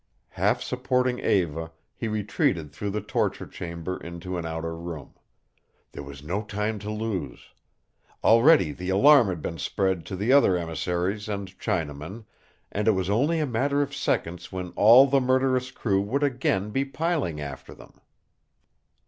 Half supporting Eva, he retreated through the torture chamber into an outer room. There was no time to lose. Already the alarm had been spread to the other emissaries and Chinamen, and it was only a matter of seconds when all the murderous crew would again be piling after them.